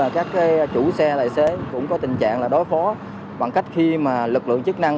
các chủ xe tài xế cũng có tình trạng đối phó bằng cách khi lực lượng chức năng